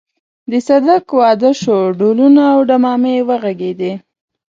د صدک واده شو ډهلونه او ډمامې وغږېدې.